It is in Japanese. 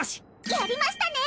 やりましたね！